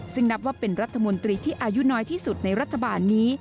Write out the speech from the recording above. ซึ่งนับว่าเป็นรัฐมนตรีที่อายุน้อยที่สุดในรัฐบาลนี้